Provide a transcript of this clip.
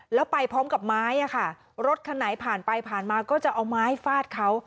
แล้วไปพร้อมกับไม้อะค่ะรถคันไหนผ่านไปผ่านมาก็จะเอาไม้ฟาดเขา